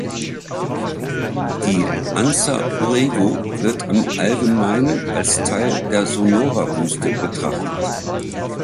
Die Anza-Borrego wird im Allgemeinen als Teil der Sonora-Wüste betrachtet.